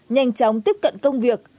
nhanh chóng tiếp cận công việc